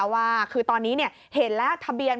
ว่าคือตอนนี้เห็นแล้วทะเบียน